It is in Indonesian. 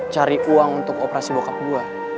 cari uang untuk operasi bokap gue